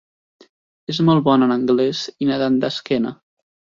És molt bona en anglès i nadant d'esquena.